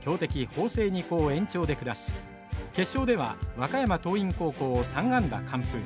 法政二高を延長で下し決勝では和歌山桐蔭高校を３安打完封。